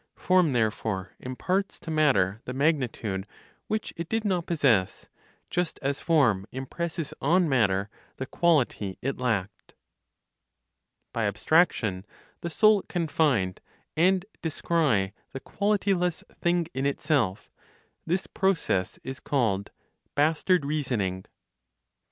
Form therefore imparts to matter the magnitude which it did not possess, just as form impresses on matter the quality it lacked. BY ABSTRACTION, THE SOUL CAN FIND AND DESCRY THE QUALITY LESS THING IN ITSELF: THIS PROCESS IS CALLED "BASTARD REASONING." 10.